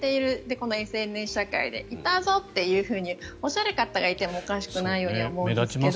このＳＮＳ社会でいたぞとおっしゃる方がいてもおかしくないようには思うんですけど。